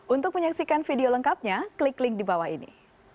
untuk menyaksikan video lengkapnya klik link di bawah ini